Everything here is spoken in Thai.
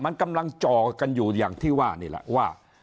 มันกำลังจอกันอยู่อย่างที่ว่านี่แหละว่า